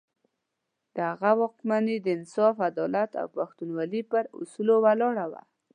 د هغه واکمني د انصاف، عدالت او پښتونولي پر اصولو ولاړه وه.